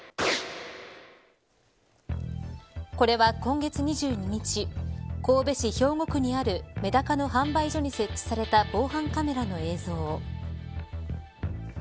これは今月２２日神戸市兵庫区にあるメダカの販売所に設置された防犯カメラの映像。